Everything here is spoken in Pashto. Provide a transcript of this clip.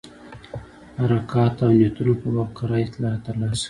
حرکاتو او نیتونو په باب کره اطلاعات ترلاسه کړي.